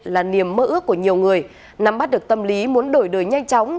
là niềm mơ ước của nhiều người nắm bắt được tâm lý muốn đổi đời nhanh chóng